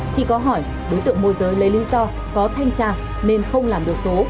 chỉ có hỏi đối tượng môi giới lấy lý do có thanh tra nên không làm được số